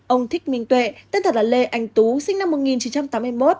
ông thích minh tuệ tên thật là lê anh tú sinh năm một nghìn chín trăm tám mươi một